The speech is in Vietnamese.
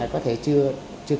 có thể chưa